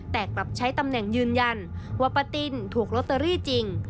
แต่กลับใช้ตำแหน่งยืนยันว่าป้าติ้นถูกลอตเตอรี่จริง